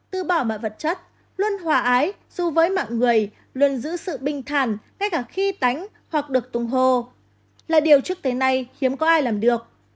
tư bỏ mọi vật chất luôn hòa ái dù với mạng người luôn giữ sự bình thản ngay cả khi tánh hoặc được tung hồ là điều trước thế này hiếm có ai làm được